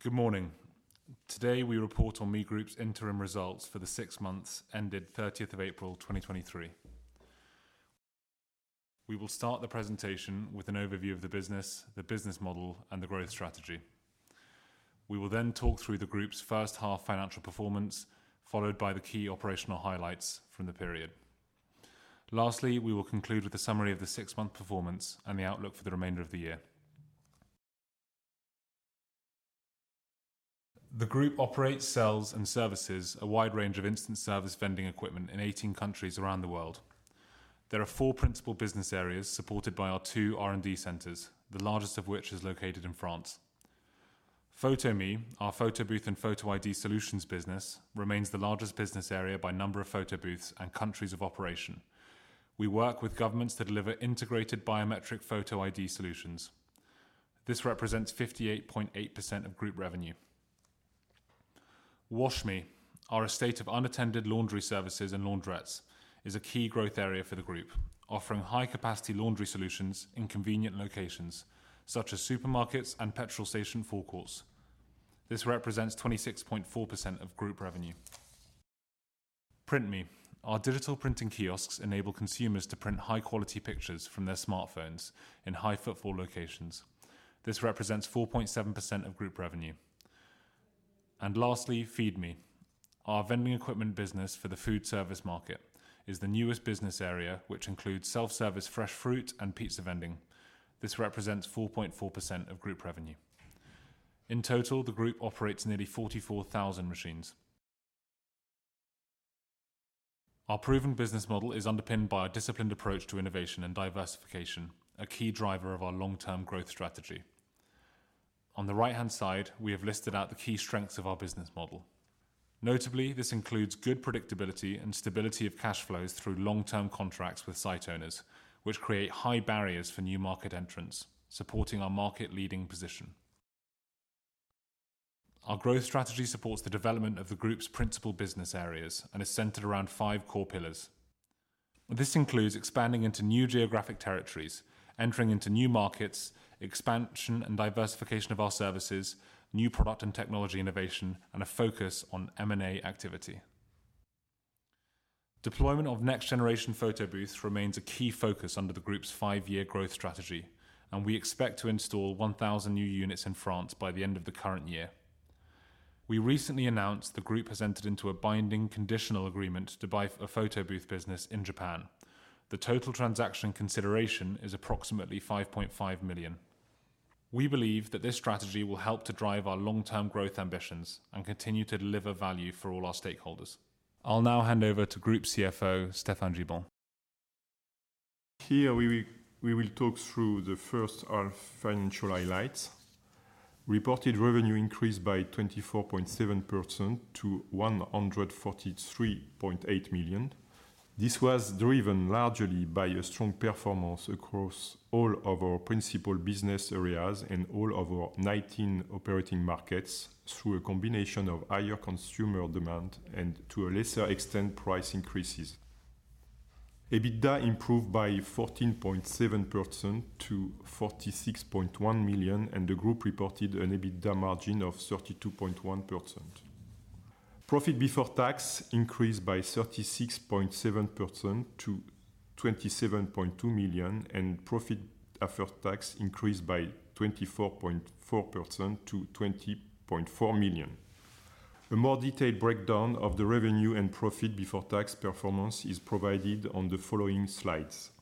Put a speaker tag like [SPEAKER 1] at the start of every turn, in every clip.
[SPEAKER 1] Good morning. Today, we report on ME Group's interim results for the six months ended 30th of April, 2023. We will start the presentation with an overview of the business, the business model, and the growth strategy. We will then talk through the Group's first half financial performance, followed by the key operational highlights from the period. Lastly, we will conclude with a summary of the six-month performance and the outlook for the remainder of the year. The Group operates, sells, and services a wide range of instant service vending equipment in 18 countries around the world. There are four principal business areas supported by our two R&D centers, the largest of which is located in France. Photo.ME, our photo booth and photo ID solutions business, remains the largest business area by number of photo booths and countries of operation. We work with governments to deliver integrated biometric photo ID solutions. This represents 58.8% of group revenue. Wash.ME, our estate of unattended laundry services and launderettes, is a key growth area for the group, offering high-capacity laundry solutions in convenient locations, such as supermarkets and petrol station forecourts. This represents 26.4% of group revenue. Print.ME, our digital printing kiosks enable consumers to print high-quality pictures from their smartphones in high footfall locations. This represents 4.7% of group revenue. Lastly, Feed.ME, our vending equipment business for the food service market, is the newest business area, which includes self-service, fresh fruit, and pizza vending. This represents 4.4% of group revenue. In total, the group operates nearly 44,000 machines. Our proven business model is underpinned by a disciplined approach to innovation and diversification, a key driver of our long-term growth strategy. On the right-hand side, we have listed out the key strengths of our business model. Notably, this includes good predictability and stability of cash flows through long-term contracts with site owners, which create high barriers for new market entrants, supporting our market-leading position. Our growth strategy supports the development of the Group's principal business areas and is centered around five core pillars. This includes expanding into new geographic territories, entering into new markets, expansion and diversification of our services, new product and technology innovation, and a focus on M&A activity. Deployment of next-generation photobooths remains a key focus under the Group's five-year growth strategy, and we expect to install 1,000 new units in France by the end of the current year. We recently announced the Group has entered into a binding conditional agreement to buy a photo booth business in Japan. The total transaction consideration is approximately 5.5 million. We believe that this strategy will help to drive our long-term growth ambitions and continue to deliver value for all our stakeholders. I'll now hand over to Group's CFO, Stéphane Gibon.
[SPEAKER 2] Here, we will talk through the first half financial highlights. Reported revenue increased by 24.7% to 143.8 million. This was driven largely by a strong performance across all of our principal business areas and all of our 19 operating markets through a combination of higher consumer demand and, to a lesser extent, price increases. EBITDA improved by 14.7% to 46.1 million, and the Group reported an EBITDA margin of 32.1%. Profit before tax increased by 36.7% to 27.2 million, and profit after tax increased by 24.4% to 20.4 million. A more detailed breakdown of the revenue and profit before tax performance is provided on the following slides.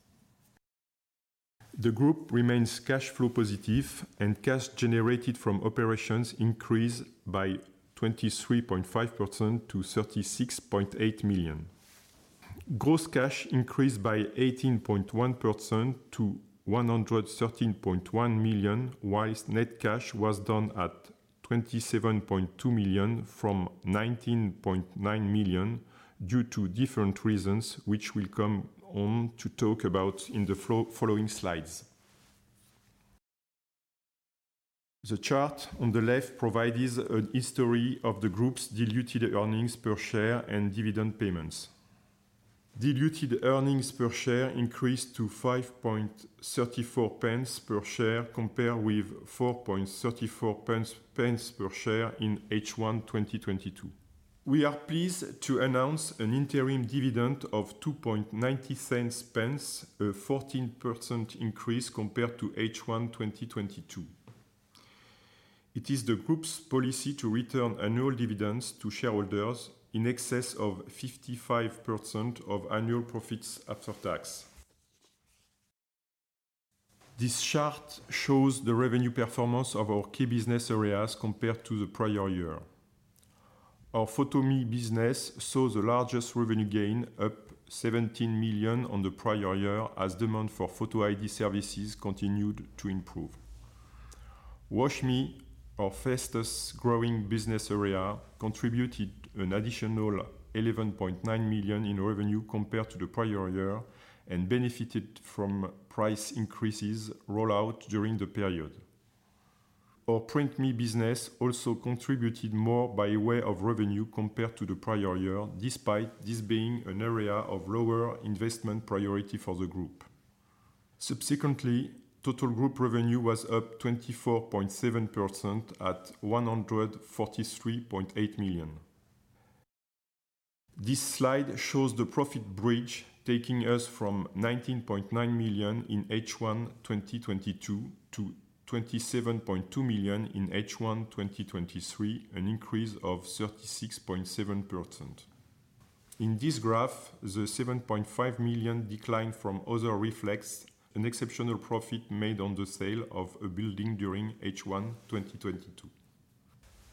[SPEAKER 2] The Group remains cash flow positive. Cash generated from operations increased by 23.5% to 36.8 million. Gross cash increased by 18.1% to 113.1 million, whilst net cash was down at 27.2 million from 19.9 million due to different reasons, which we'll come on to talk about in the following slides. The chart on the left provides a history of the Group's diluted earnings per share and dividend payments. Diluted earnings per share increased to 0.0534 per share, compared with 0.0434 per share in H1 2022. We are pleased to announce an interim dividend of 2.90, a 14% increase compared to H1 2022. It is the Group's policy to return annual dividends to shareholders in excess of 55% of annual profits after tax. This chart shows the revenue performance of our key business areas compared to the prior year. Our Photo.ME business saw the largest revenue gain, up 17 million on the prior year, as demand for photo ID services continued to improve. Wash.ME, our fastest-growing business area, contributed an additional 11.9 million in revenue compared to the prior year and benefited from price increases rolled out during the period. Our Print.ME business also contributed more by way of revenue compared to the prior year, despite this being an area of lower investment priority for the Group. Subsequently, total Group revenue was up 24.7% at 143.8 million. This slide shows the profit bridge taking us from 19.9 million in H1 2022 to 27.2 million in H1 2023, an increase of 36.7%. In this graph, the 7.5 million decline from other reflects an exceptional profit made on the sale of a building during H1 2022.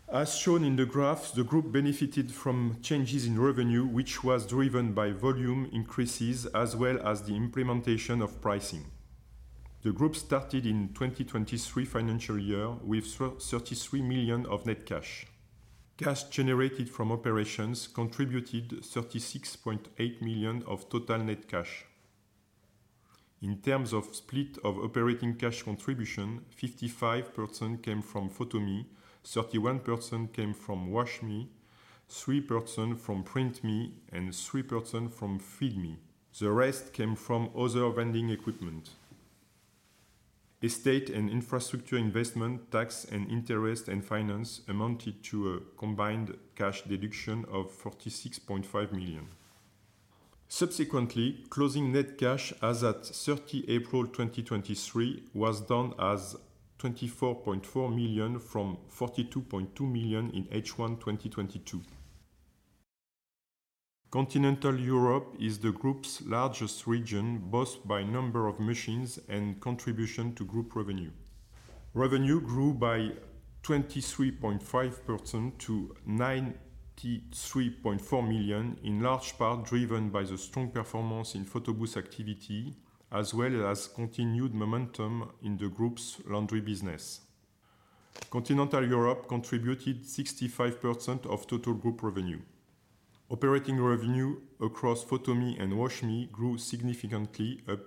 [SPEAKER 2] As shown in the graph, the group benefited from changes in revenue, which was driven by volume increases as well as the implementation of pricing. The group started in 2023 financial year with 33 million of net cash. Cash generated from operations contributed 36.8 million of total net cash. In terms of split of operating cash contribution, 55% came from Photo.ME, 31% came from Wash.ME, 3% from Print.ME, and 3% from Feed.ME. The rest came from other vending equipment. Estate and infrastructure investment, tax, and interest and finance amounted to a combined cash deduction of 46.5 million. Closing net cash as at 30 April 2023, was down as 24.4 million from 42.2 million in H1 2022. Continental Europe is the group's largest region, both by number of machines and contribution to group revenue. Revenue grew by 23.5% to 93.4 million, in large part driven by the strong performance in photobooth activity, as well as continued momentum in the group's laundry business. Continental Europe contributed 65% of total group revenue. Operating revenue across Photo.ME and Wash.ME grew significantly, up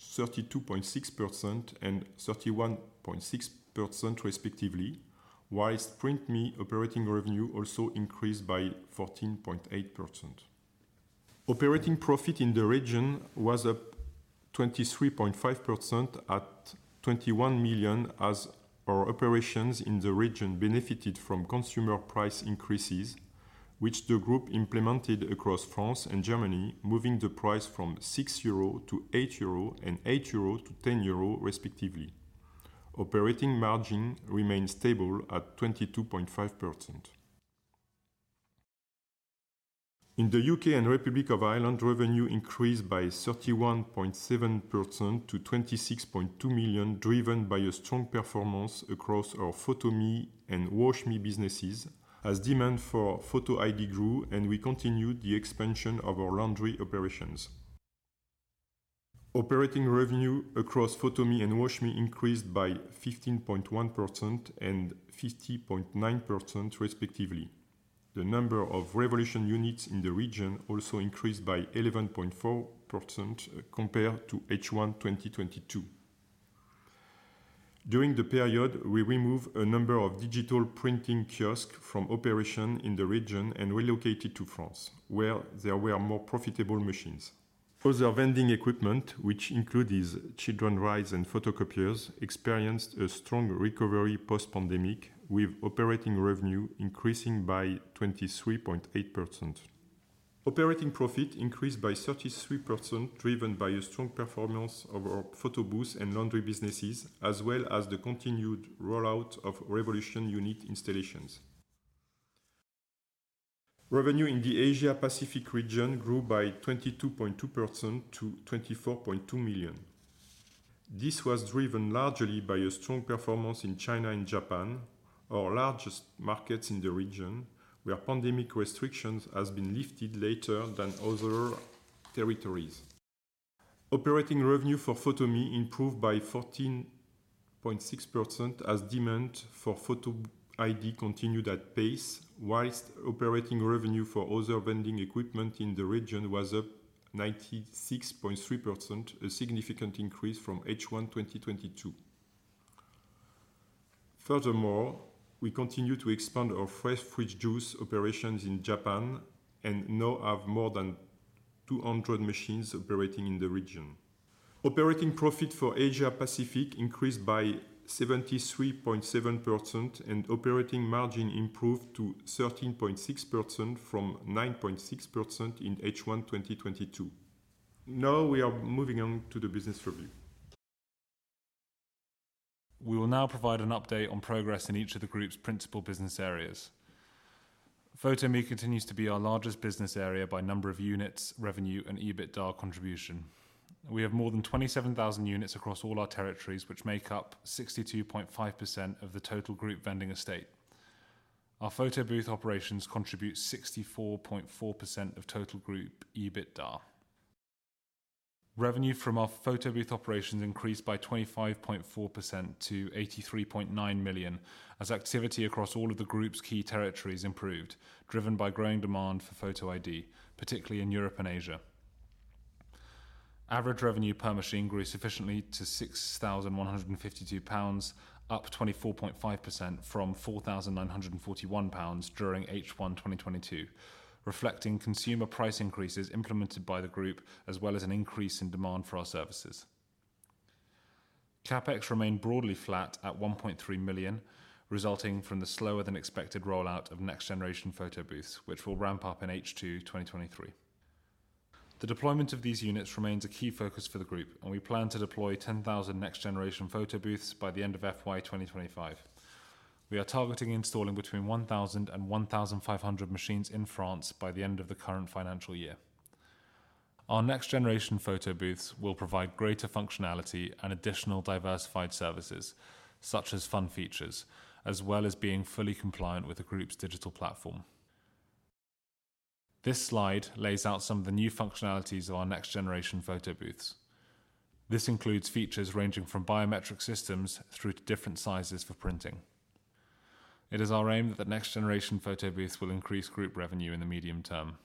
[SPEAKER 2] 32.6% and 31.6% respectively, while Print.ME operating revenue also increased by 14.8%. Operating profit in the region was up 23.5% at 21 million, as our operations in the region benefited from consumer price increases, which the group implemented across France and Germany, moving the price from 6-8 euro and 8-10 euro respectively. Operating margin remained stable at 22.5%. In the U.K. and Republic of Ireland, revenue increased by 31.7% to 26.2 million, driven by a strong performance across our Photo.ME and Wash.ME businesses as demand for photo ID grew, and we continued the expansion of our laundry operations. Operating revenue across Photo.ME and Wash.ME increased by 15.1% and 50.9%, respectively. The number of Revolution units in the region also increased by 11.4% compared to H1 2022. During the period, we removed a number of digital printing kiosks from operation in the region and relocated to France, where there were more profitable machines. Other vending equipment, which includes children's rides and photocopiers, experienced a strong recovery post-pandemic, with operating revenue increasing by 23.8%. Operating profit increased by 33%, driven by a strong performance of our photobooth and laundry businesses, as well as the continued rollout of Revolution unit installations. Revenue in the Asia Pacific region grew by 22.2% to 24.2 million. This was driven largely by a strong performance in China and Japan, our largest markets in the region, where pandemic restrictions has been lifted later than other territories. Operating revenue for Photo.ME improved by 14.6%, as demand for photo ID continued at pace, whilst operating revenue for other vending equipment in the region was up 96.3%, a significant increase from H1 2022. We continue to expand our fresh fruit juice operations in Japan and now have more than 200 machines operating in the region. Operating profit for Asia Pacific increased by 73.7%, and operating margin improved to 13.6% from 9.6% in H1 2022. We are moving on to the business review.
[SPEAKER 1] We will now provide an update on progress in each of the group's principal business areas. Photo.ME continues to be our largest business area by number of units, revenue, and EBITDA contribution. We have more than 27,000 units across all our territories, which make up 62.5% of the total group vending estate. Our photobooth operations contribute 64.4% of total group EBITDA. Revenue from our photobooth operations increased by 25.4% to 83.9 million, as activity across all of the group's key territories improved, driven by growing demand for photo ID, particularly in Europe and Asia. Average revenue per machine grew sufficiently to 6,152 pounds, up 24.5% from 4,941 pounds during H1 2022, reflecting consumer price increases implemented by the group, as well as an increase in demand for our services. CapEx remained broadly flat at 1.3 million, resulting from the slower than expected rollout of next generation photobooths, which will ramp up in H2 2023. We plan to deploy 10,000 next generation photobooths by the end of FY 2025. We are targeting installing between 1,000 and 1,500 machines in France by the end of the current financial year. Our next generation photo booths will provide greater functionality and additional diversified services, such as fun features, as well as being fully compliant with the group's digital platform. This slide lays out some of the new functionalities of our next generation photo booths. This includes features ranging from biometric systems through to different sizes for printing. It is our aim that the next generation photo booths will increase group revenue in the medium term.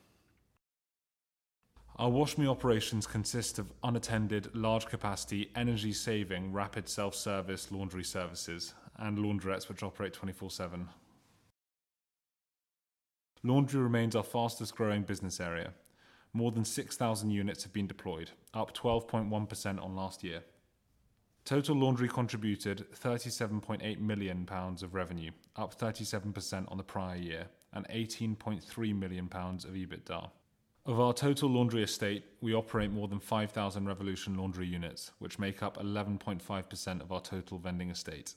[SPEAKER 1] Our Wash.ME operations consist of unattended, large capacity, energy-saving, rapid self-service laundry services and launderettes, which operate 24/7. Laundry remains our fastest growing business area. More than 6,000 units have been deployed, up 12.1% on last year. Total Laundry contributed 37.8 million pounds of revenue, up 37% on the prior year, and 18.3 million pounds of EBITDA. Of our total laundry estate, we operate more than 5,000 Revolution Laundry units, which make up 11.5% of our total vending estate.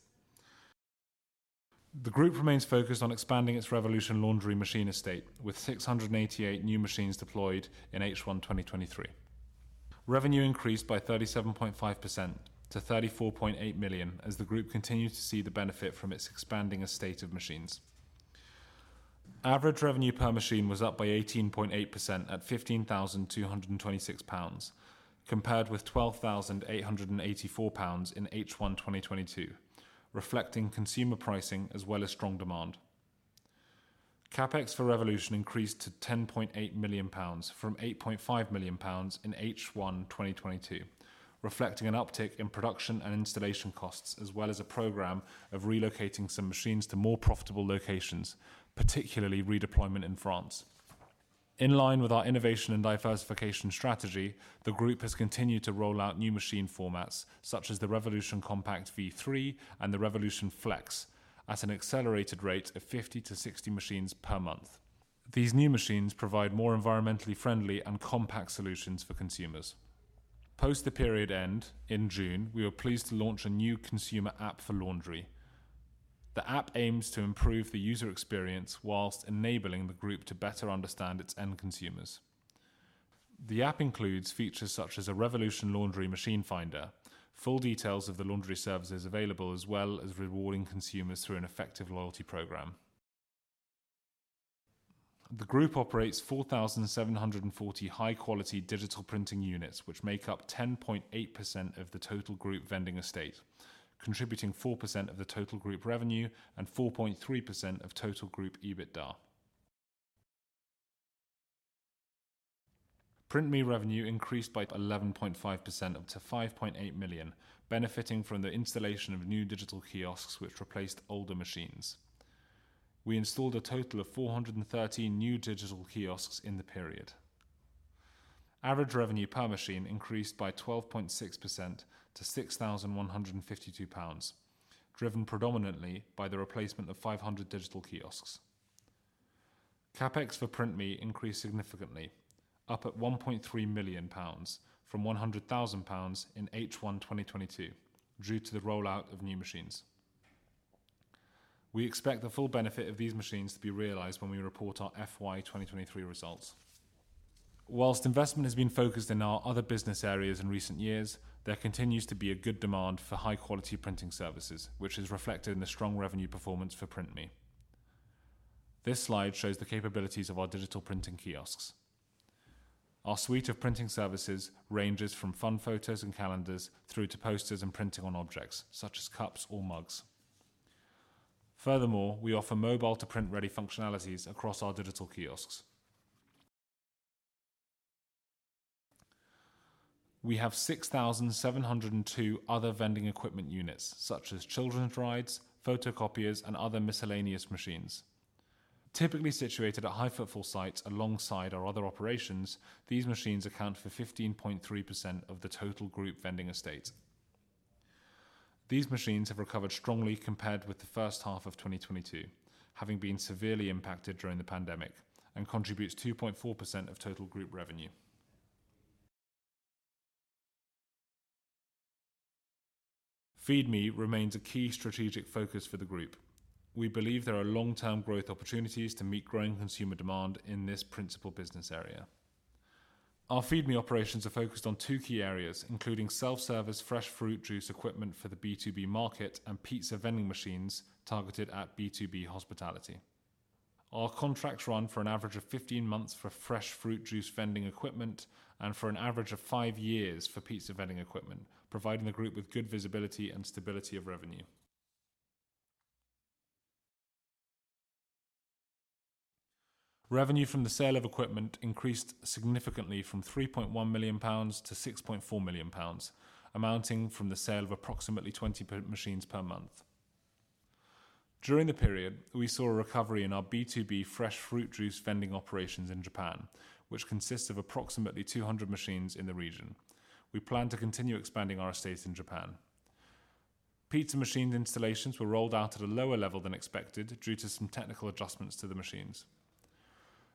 [SPEAKER 1] The group remains focused on expanding its Revolution Laundry machine estate, with 688 new machines deployed in H1 2023. Revenue increased by 37.5% to 34.8 million as the group continued to see the benefit from its expanding estate of machines. Average revenue per machine was up by 18.8% at 15,226 pounds, compared with 12,884 pounds in H1 2022, reflecting consumer pricing as well as strong demand. CapEx for Revolution increased to 10.8 million pounds from 8.5 million pounds in H1 2022, reflecting an uptick in production and installation costs, as well as a program of relocating some machines to more profitable locations, particularly redeployment in France. In line with our innovation and diversification strategy, the group has continued to roll out new machine formats, such as the Revolution Compact V3 and the Revolution Flex, at an accelerated rate of 50-60 machines per month. These new machines provide more environmentally friendly and compact solutions for consumers. Post the period end in June, we were pleased to launch a new consumer app for laundry. The app aims to improve the user experience whilst enabling the group to better understand its end consumers. The app includes features such as a Revolution Laundry machine finder, full details of the laundry services available, as well as rewarding consumers through an effective loyalty program. The group operates 4,740 high-quality digital printing units, which make up 10.8% of the total group vending estate, contributing 4% of the total group revenue and 4.3% of total group EBITDA. Print.ME revenue increased by 11.5% up to 5.8 million, benefiting from the installation of new digital kiosks which replaced older machines. We installed a total of 413 new digital kiosks in the period. Average revenue per machine increased by 12.6% to 6,152 pounds, driven predominantly by the replacement of 500 digital kiosks. CapEx for Print.ME increased significantly, up at 1.3 million pounds from 100,000 pounds in H1 2022, due to the rollout of new machines. We expect the full benefit of these machines to be realized when we report our FY 2023 results. Investment has been focused in our other business areas in recent years, there continues to be a good demand for high-quality printing services, which is reflected in the strong revenue performance for Print.ME. This slide shows the capabilities of our digital printing kiosks. Our suite of printing services ranges from fun photos and calendars through to posters and printing on objects, such as cups or mugs. Furthermore, we offer mobile-to-print ready functionalities across our digital kiosks. We have 6,702 other vending equipment units, such as children's rides, photocopiers, and other miscellaneous machines. Typically situated at high-footfall sites alongside our other operations, these machines account for 15.3% of the total group vending estate. These machines have recovered strongly compared with H1 2022, having been severely impacted during the pandemic, and contributes 2.4% of total group revenue. Feed.ME remains a key strategic focus for the group. We believe there are long-term growth opportunities to meet growing consumer demand in this principal business area. Our Feed.ME operations are focused on two key areas, including self-service fresh fruit juice equipment for the B2B market and pizza vending machines targeted at B2B hospitality. Our contracts run for an average of 15 months for fresh fruit juice vending equipment and for an average of five years for pizza vending equipment, providing the group with good visibility and stability of revenue. Revenue from the sale of equipment increased significantly from 3.1 million-6.4 million pounds, amounting from the sale of approximately 20 machines per month. During the period, we saw a recovery in our B2B fresh fruit juice vending operations in Japan, which consists of approximately 200 machines in the region. We plan to continue expanding our estates in Japan. Pizza machine installations were rolled out at a lower level than expected due to some technical adjustments to the machines.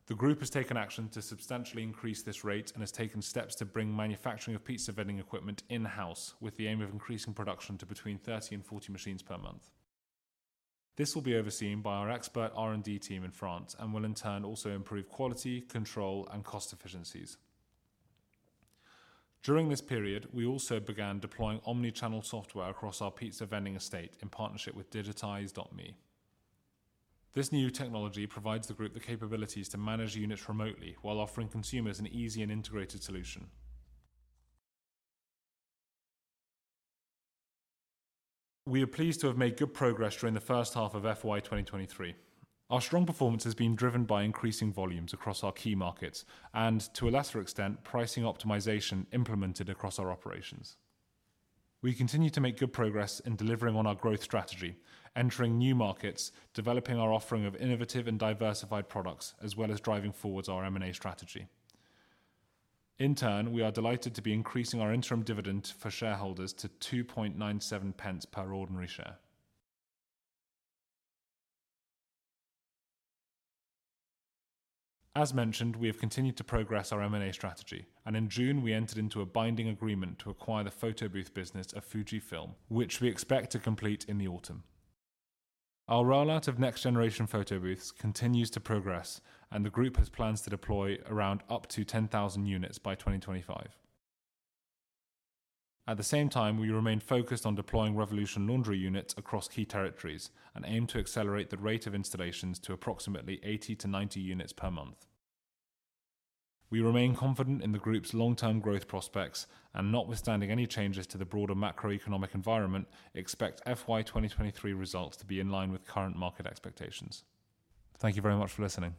[SPEAKER 1] The group has taken action to substantially increase this rate and has taken steps to bring manufacturing of pizza vending equipment in-house, with the aim of increasing production to between 30 and 40 machines per month. This will be overseen by our expert R&D team in France and will in turn also improve quality, control, and cost efficiencies. During this period, we also began deploying omnichannel software across our pizza vending estate in partnership with Digitiz.me. This new technology provides the group the capabilities to manage units remotely while offering consumers an easy and integrated solution. We are pleased to have made good progress during the first half of FY 2023. Our strong performance has been driven by increasing volumes across our key markets and, to a lesser extent, pricing optimization implemented across our operations. We continue to make good progress in delivering on our growth strategy, entering new markets, developing our offering of innovative and diversified products, as well as driving forwards our M&A strategy. In turn, we are delighted to be increasing our interim dividend for shareholders to 2.97 per ordinary share. As mentioned, we have continued to progress our M&A strategy. In June we entered into a binding agreement to acquire the photobooth business of FUJIFILM, which we expect to complete in the autumn. Our rollout of next generation photobooths continues to progress. The group has plans to deploy around up to 10,000 units by 2025. At the same time, we remain focused on deploying Revolution Laundry units across key territories and aim to accelerate the rate of installations to approximately 80-90 units per month. We remain confident in the group's long-term growth prospects. Notwithstanding any changes to the broader macroeconomic environment, expect FY 2023 results to be in line with current market expectations. Thank you very much for listening.